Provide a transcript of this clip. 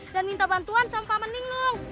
dan minta bantuan sampah meninglung